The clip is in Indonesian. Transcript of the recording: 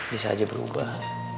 bisa aja berubah